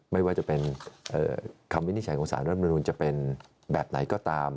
ไม่ว่าจะเป็นคำวินิจฉัยของสารรัฐมนุนจะเป็นแบบไหนก็ตาม